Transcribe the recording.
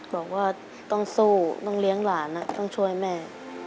บอกว่าต้องสู้ต้องเลี้ยงหลานต้องช่วยแม่